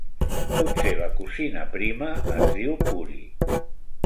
Potser la cosina prima es diu Puri.